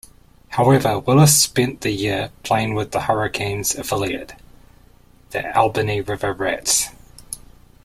However, Willis spent the year playing with the Hurricanes affiliate, the Albany River Rats.